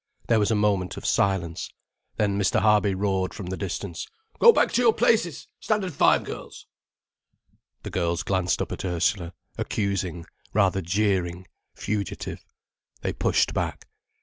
There was a moment of silence. Then Mr. Harby roared from the distance. "Go back to your places, Standard Five girls." The girls glanced up at Ursula, accusing, rather jeering, fugitive. They pushed back.